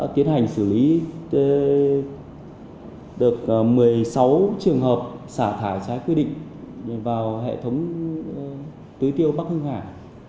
tiến hành xử lý được một mươi sáu trường hợp xả thải trái quy định vào hệ thống tưới tiêu bắc hưng hải